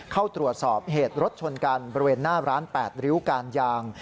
เข้าตรวจสอบเหตุรถชนกันบริเวณหน้าร้าน๘ริ้วการยาง